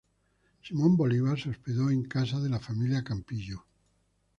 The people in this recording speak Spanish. Simón Bolívar se hospedó en casa de la familia Campillo.